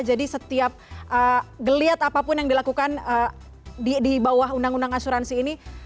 jadi setiap geliat apapun yang dilakukan di bawah undang undang asuransi ini